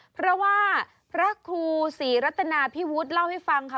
เพราะว่าพระครูศรีรัตนาพิวุฒิเล่าให้ฟังค่ะ